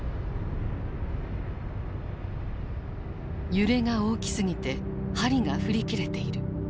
揺れが大きすぎて針が振り切れている。